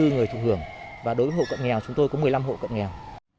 sáu mươi bốn người thu hưởng và đối với hộ cận nghèo chúng tôi có một mươi năm hộ cận nghèo